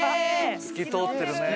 透き通ってるね。